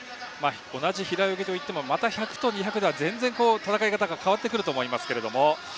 同じ平泳ぎといってもまた１００と２００では全然戦い方が変わってくると思いますけれども。